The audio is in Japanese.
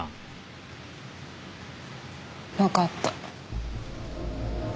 わかった。